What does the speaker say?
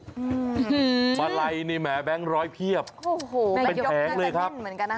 อืมปะไลนี่แหมแบงก์ร้อยเพียบเป็นแพงเลยครับ